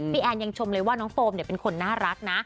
พี่แอนชมเลยว่าน้องโฟมเนี่ยเป็นคนน่ารักนะ